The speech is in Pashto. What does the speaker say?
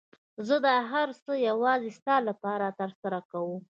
زه دا هر څه يوازې ستا لپاره ترسره کوم.